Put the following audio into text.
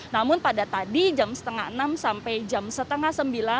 namun pada tadi jam setengah enam sampai jam setengah sembilan